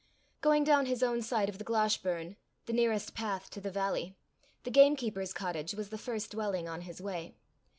Going down his own side of the Glashburn, the nearest path to the valley, the gamekeeper's cottage was the first dwelling on his way.